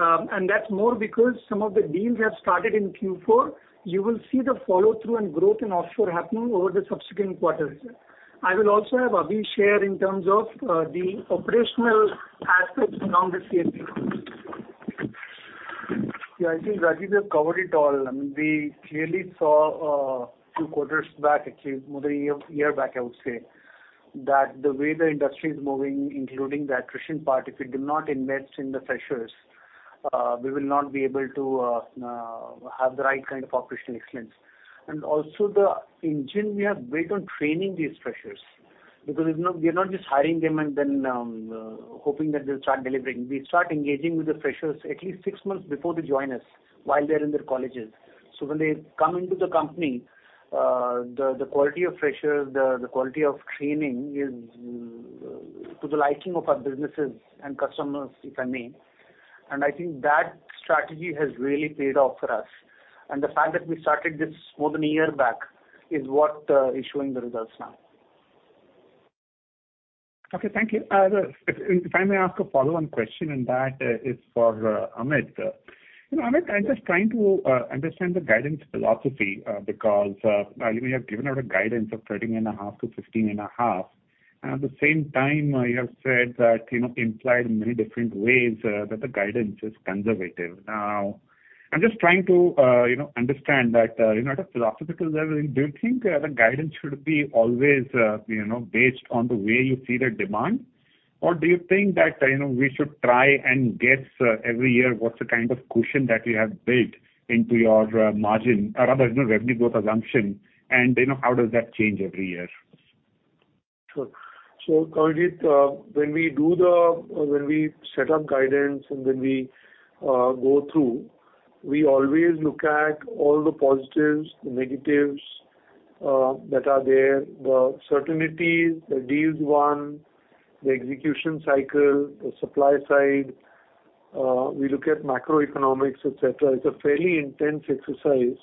D: phenomena. That's more because some of the deals have started in Q4. You will see the follow-through and growth in offshore happening over the subsequent quarters. I will also have Abhi share in terms of the operational aspects around the C&B.
J: Yeah, I think Rajeev has covered it all. I mean, we clearly saw two quarters back, actually more than a year back, I would say, that the way the industry is moving, including the attrition part, if we do not invest in the freshers, we will not be able to have the right kind of operational excellence. Also the engine we have built on training these freshers, because we are not just hiring them and then hoping that they'll start delivering. We start engaging with the freshers at least six months before they join us while they're in their colleges. When they come into the company, the quality of freshers, quality of training is to the liking of our businesses and customers, if I may. I think that strategy has really paid off for us. The fact that we started this more than a year back is what is showing the results now.
I: Okay, thank you. If I may ask a follow-on question, and that is for Amit. You know, Amit, I'm just trying to understand the guidance philosophy, because I mean, you have given out a guidance of 13.5%-15.5%. At the same time, you have said that, you know, implied in many different ways, that the guidance is conservative. Now, I'm just trying to, you know, understand that, you know, at a philosophical level, do you think the guidance should be always, you know, based on the way you see the demand? Or do you think that, you know, we should try and guess every year what's the kind of cushion that you have built into your margin or rather, you know, revenue growth assumption? You know, how does that change every year?
C: Sure. Kawaljeet, when we set up guidance and when we go through, we always look at all the positives, the negatives that are there, the certainties, the deals won, the execution cycle, the supply side. We look at macroeconomics, et cetera. It's a fairly intense exercise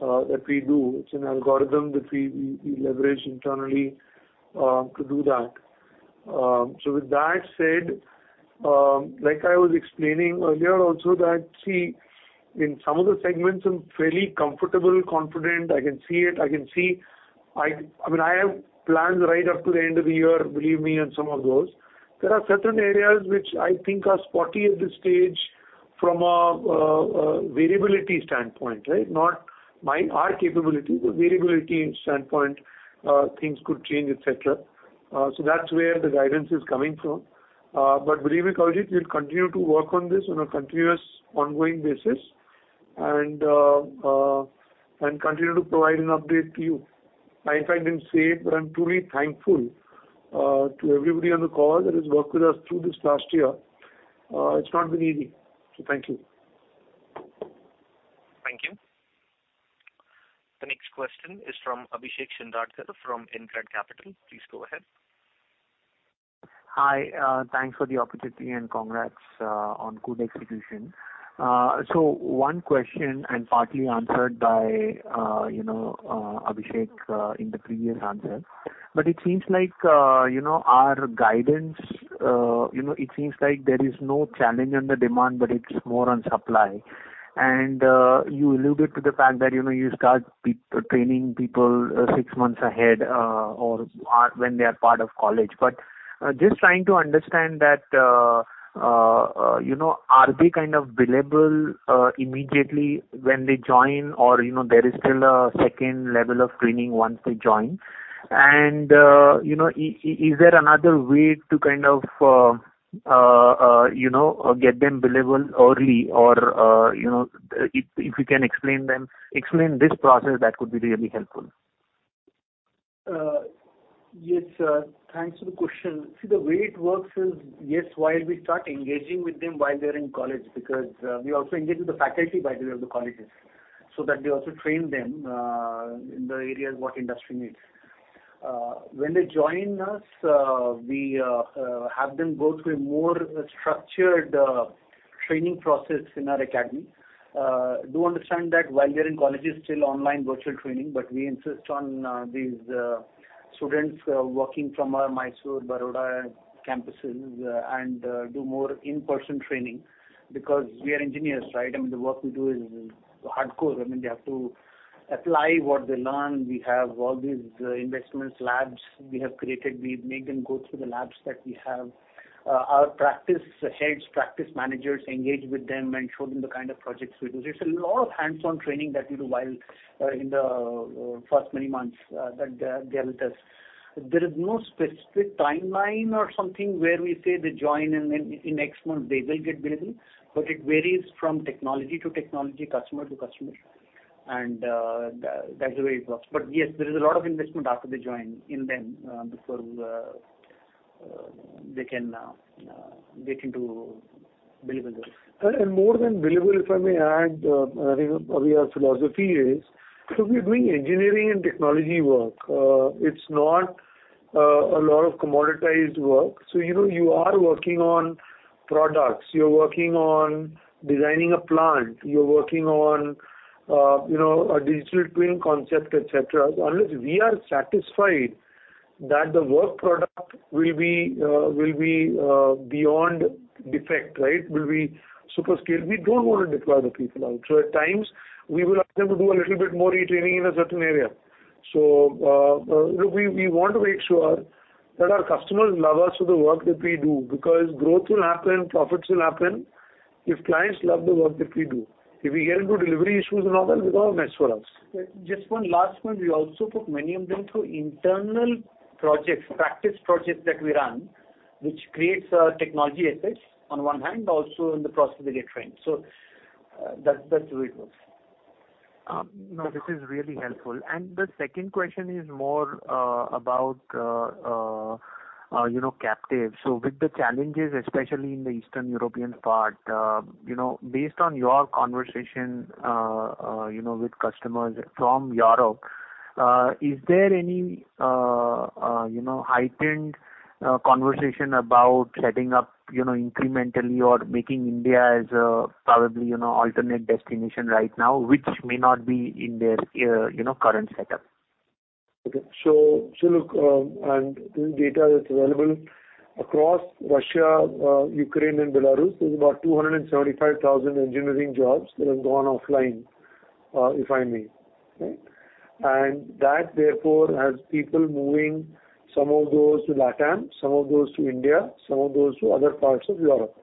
C: that we do. It's an algorithm that we leverage internally to do that. With that said, like I was explaining earlier also that, see, in some of the segments, I'm fairly comfortable, confident. I can see it. I mean, I have plans right up to the end of the year, believe me, on some of those. There are certain areas which I think are spotty at this stage from a variability standpoint, right? Not our capability. The variability standpoint, things could change, et cetera. That's where the guidance is coming from. Believe me, Kawaljeet, we'll continue to work on this on a continuous ongoing basis and continue to provide an update to you. I find it safe, but I'm truly thankful to everybody on the call that has worked with us through this past year. It's not been easy. Thank you.
A: Thank you. The next question is from Abhishek Shindadkar from InCred Capital. Please go ahead.
K: Hi, thanks for the opportunity and congrats on good execution. So one question, and partly answered by, you know, Abhishek in the previous answer. But it seems like, you know, our guidance, you know, it seems like there is no challenge on the demand, but it's more on supply. You alluded to the fact that, you know, you start training people six months ahead, or when they are part of college. But just trying to understand that, you know, are they kind of billable immediately when they join? Or, you know, there is still a second level of training once they join. You know, is there another way to kind of, you know, get them billable early or, you know, if you can explain this process, that would be really helpful.
J: Yes, sir. Thanks for the question. See, the way it works is, yes, while we start engaging with them while they're in college, because we also engage with the faculty, by the way, of the colleges, so that they also train them in the areas what industry needs. When they join us, we have them go through a more structured training process in our academy. Do understand that while they're in college it's still online virtual training, but we insist on these students working from our Mysore, Baroda campuses, and do more in-person training because we are engineers, right? I mean, the work we do is hardcore. I mean, they have to apply what they learn. We have all these investments labs we have created. We make them go through the labs that we have. Our practice heads, practice managers engage with them and show them the kind of projects we do. There's a lot of hands-on training that we do while in the first many months that they're with us. There is no specific timeline or something where we say they join and then in next month they will get billable, but it varies from technology to technology, customer to customer. That's the way it works. Yes, there is a lot of investment after they join in them before they can get into billable work.
C: More than billable, if I may add, I think our philosophy is we're doing engineering and technology work. It's not a lot of commoditized work. You know, you are working on products, you're working on designing a plant, you're working on, you know, a digital twin concept, et cetera. Unless we are satisfied that the work product will be beyond defect, right, will be super skilled, we don't want to deploy the people out. At times, we will ask them to do a little bit more retraining in a certain area. Look, we want to make sure that our customers love us for the work that we do because growth will happen, profits will happen if clients love the work that we do. If we get into delivery issues and all that, it's all a mess for us. Just one last point. We also put many of them through internal projects, practice projects that we run, which creates a technology assets on one hand, also in the process they get trained. That's the way it works.
K: No, this is really helpful. The second question is more about, you know, captive. With the challenges, especially in the Eastern European part, you know, based on your conversation, you know, with customers from Europe, is there any, you know, heightened conversation about setting up, you know, incrementally or making India as a probable, you know, alternate destination right now, which may not be in their, you know, current setup?
C: This data is available across Russia, Ukraine and Belarus. There's about 275,000 engineering jobs that have gone offline, if I may, right? That therefore has people moving. Some of those to LatAm, some of those to India, some of those to other parts of Europe,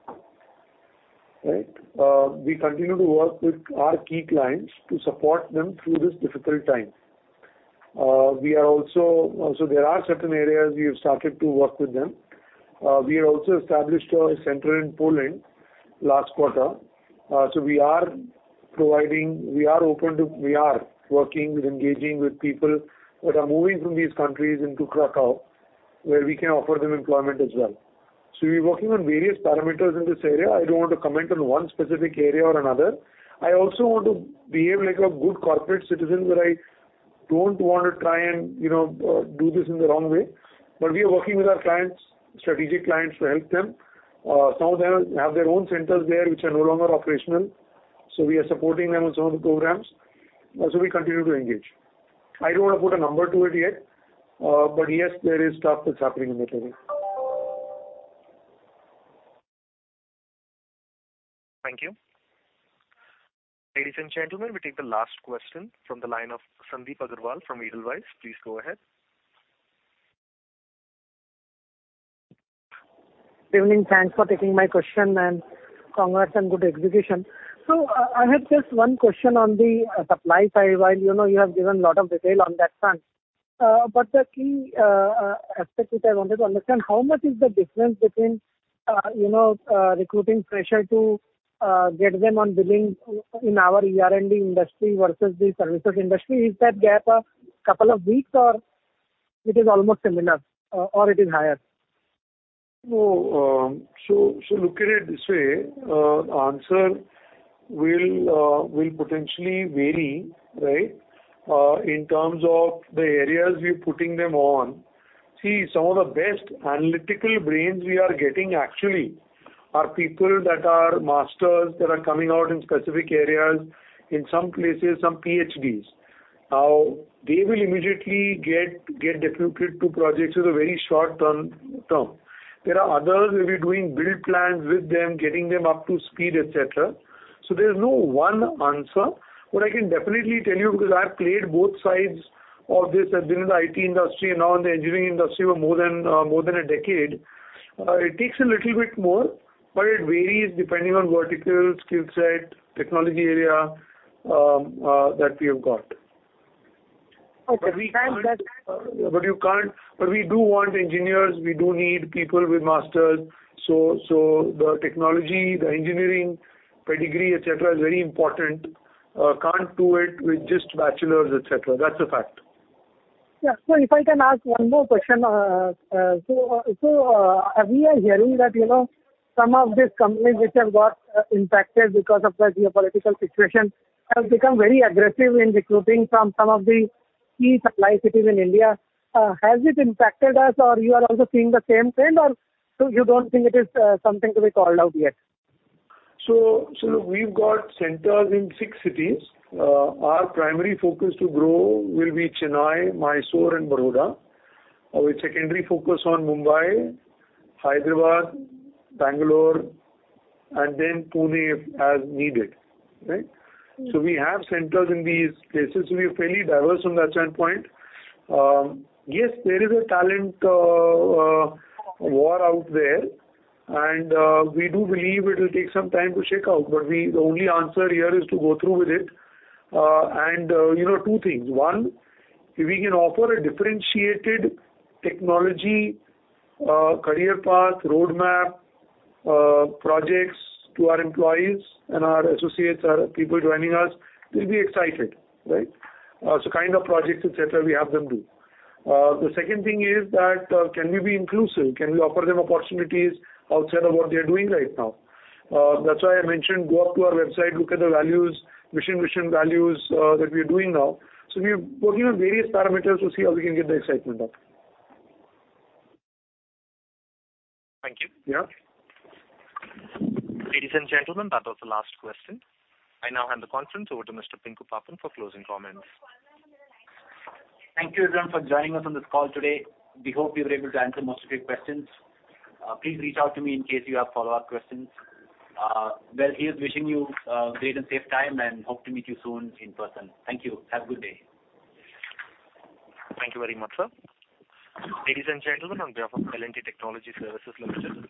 C: right? We continue to work with our key clients to support them through this difficult time. There are certain areas we have started to work with them. We have also established a center in Poland last quarter. We are working, engaging with people that are moving from these countries into Kraków, where we can offer them employment as well. We're working on various parameters in this area. I don't want to comment on one specific area or another. I also want to behave like a good corporate citizen, where I don't want to try and, you know, do this in the wrong way. We are working with our clients, strategic clients, to help them. Some of them have their own centers there which are no longer operational, so we are supporting them on some of the programs. We continue to engage. I don't want to put a number to it yet, but yes, there is stuff that's happening in that area.
A: Thank you. Ladies and gentlemen, we take the last question from the line of Sandip Agarwal from Edelweiss. Please go ahead.
L: Evening. Thanks for taking my question, and congrats on good execution. I have just one question on the supply side. While you know, you have given a lot of detail on that front, but the key aspect which I wanted to understand, how much is the difference between you know, recruiting fresher to get them on billing in our ER&D industry versus the services industry? Is that gap a couple of weeks or it is almost similar, or it is higher?
C: No. Look at it this way. Answer will potentially vary, right, in terms of the areas we're putting them on. See, some of the best analytical brains we are getting actually are people that are masters that are coming out in specific areas. In some places, some PhDs. Now they will immediately get recruited to projects with a very short term. There are others will be doing build plans with them, getting them up to speed, et cetera. There's no one answer. What I can definitely tell you, because I've played both sides of this, I've been in the IT industry and now in the engineering industry for more than a decade, it takes a little bit more, but it varies depending on vertical, skill set, technology area that we have got.
L: Okay.
C: We can't.
L: Can that-
C: We do want engineers, we do need people with masters. The technology, the engineering pedigree, et cetera, is very important. Can't do it with just bachelors, et cetera. That's a fact.
L: Yeah. If I can ask one more question. We are hearing that, you know, some of these companies which have got impacted because of the geopolitical situation have become very aggressive in recruiting from some of the key supply cities in India. Has it impacted us or you are also seeing the same trend? Or so you don't think it is something to be called out yet?
C: We've got centers in six cities. Our primary focus to grow will be Chennai, Mysore and Baroda. Our secondary focus on Mumbai, Hyderabad, Bangalore and then Pune if as needed. Right?
L: Mm-hmm.
C: We have centers in these places. We're fairly diverse from that standpoint. Yes, there is a talent war out there, and we do believe it'll take some time to shake out. The only answer here is to go through with it. You know, two things. One, if we can offer a differentiated technology, career path, roadmap, projects to our employees and our associates, our people joining us, they'll be excited, right? Kind of projects, et cetera, we have them do. The second thing is that, can we be inclusive? Can we offer them opportunities outside of what they're doing right now? That's why I mentioned go up to our website, look at the values, mission, vision values, that we are doing now. We are working on various parameters to see how we can get the excitement up.
L: Thank you.
C: Yeah.
A: Ladies and gentlemen, that was the last question. I now hand the conference over to Mr. Pinku Pappan for closing comments.
B: Thank you everyone for joining us on this call today. We hope we were able to answer most of your questions. Please reach out to me in case you have follow-up questions. Well, here's wishing you a great and safe time, and hope to meet you soon in person. Thank you. Have a good day.
A: Thank you very much, sir. Ladies and gentlemen, on behalf of L&T Technology Services Limited,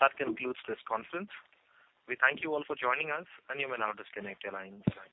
A: that concludes this conference. We thank you all for joining us and you may now disconnect your lines.